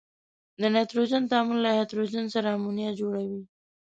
د نایتروجن تعامل له هایدروجن سره امونیا جوړوي.